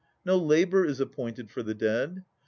No labour is appointed for the dead.